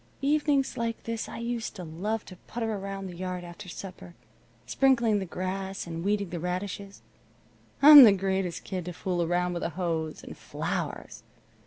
Evenings like this I used to love to putter around the yard after supper, sprinkling the grass and weeding the radishes. I'm the greatest kid to fool around with a hose. And flowers!